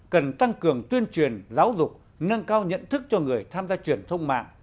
cần tăng cường tuyên truyền giáo dục nâng cao nhận thức cho người tham gia truyền thông mạng